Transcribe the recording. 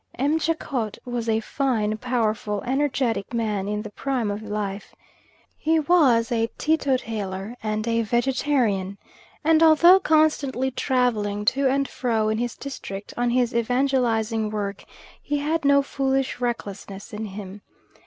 M. Jacot was a fine, powerful, energetic man, in the prime of life. He was a teetotaler and a vegetarian; and although constantly travelling to and fro in his district on his evangelising work, he had no foolish recklessness in him.